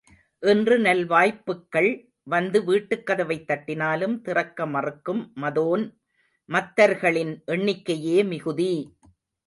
இன்று நல் வாய்ப்புக்கள் வந்து வீட்டுக்கதவைத் தட்டினாலும் திறக்க மறுக்கும் மதோன் மத்தர்களின் எண்ணிக்கையே மிகுதி!